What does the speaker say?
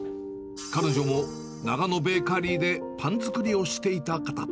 彼女も長野ベーカリーでパン作りをしていた方。